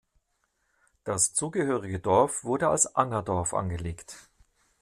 Das zugehörige Dorf wurde als Angerdorf angelegt.